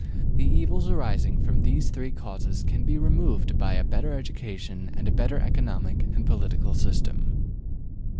The evils arising from these three causes can be removed by a better education and a better economic and political system.